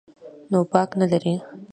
نو باک نه لري.